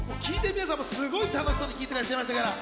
皆さんもすごく楽しそうに聞いてらっしゃいました。